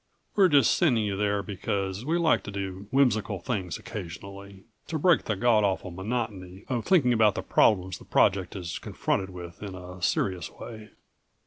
We're just sending you there because we like to do whimsical things occasionally, to break the God awful monotony of thinking about the problems the project is confronted with in a serious way."